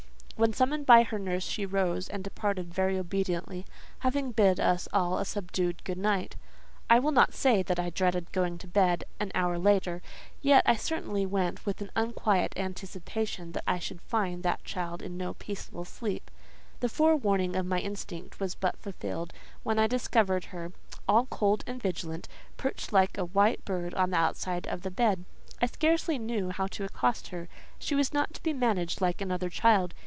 When summoned by her nurse she rose and departed very obediently, having bid us all a subdued good night. I will not say that I dreaded going to bed, an hour later; yet I certainly went with an unquiet anticipation that I should find that child in no peaceful sleep. The forewarning of my instinct was but fulfilled, when I discovered her, all cold and vigilant, perched like a white bird on the outside of the bed. I scarcely knew how to accost her; she was not to be managed like another child.